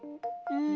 うん？